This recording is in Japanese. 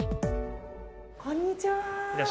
こんにちは。